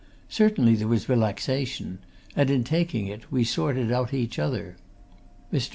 Certainly there was relaxation and in taking it, we sorted out each other. Mr.